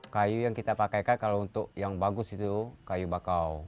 kayu yang kita pakaikan kalau untuk yang bagus itu kayu bakau